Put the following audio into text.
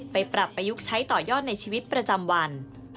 ไปปรับประยุกต์ใช้ต่อยอดในชีวิตประจำวัน